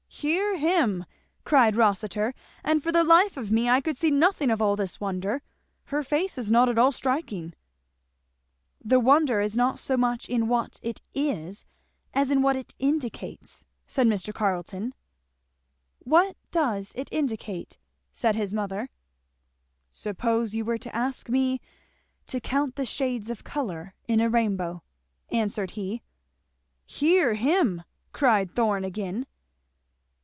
"Hear him!" cried Rossitur; "and for the life of me I could see nothing of all this wonder. Her face is not at all striking." "The wonder is not so much in what it is as in what it indicates," said Mr. Carleton. "What does it indicate?" said his mother. "Suppose you were to ask me to count the shades of colour in a rainbow," answered he. "Hear him!" cried Thorn again.